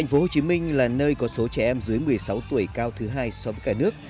tp hcm là nơi có số trẻ em dưới một mươi sáu tuổi cao thứ hai so với cả nước